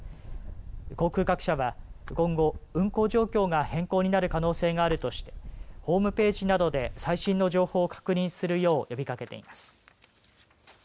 航空各社は今後、運航状況が変更になる可能性があるとしてホームページなどで最新の情報を確認するよう呼びかけています。